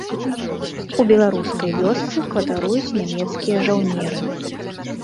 У беларускай вёсцы кватаруюць нямецкія жаўнеры.